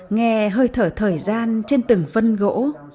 nghe hơi thở thời gian trên từng vân gỗ